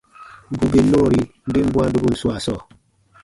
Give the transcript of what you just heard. Bù bè nɔɔri ben bwãa dobun swaa sɔɔ,